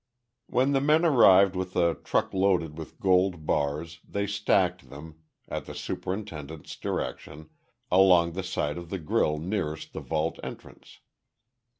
When the men arrived with a truck loaded with gold bars, they stacked them at the superintendent's direction along the side of the grille nearest the vault entrance.